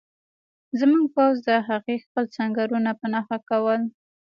زموږ پوځ د هغوی خپل سنګرونه په نښه کول